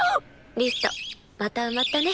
リストまた埋まったね。